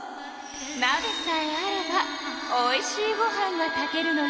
なべさえあればおいしいご飯が炊けるのよ。